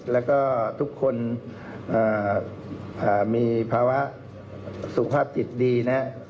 แล้วก็ทุกคนมีภาวะสุขภาพจิตดีนะครับ